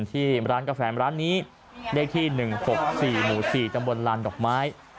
ที่ร้านกาแฟร้านนี้เลขที่๑๖๔หมู่๔ตำบลลานดอกไม้